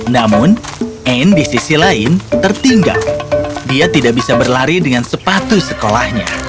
namun anne di sisi lain tertinggal dia tidak bisa berlari dengan sepatu sekolahnya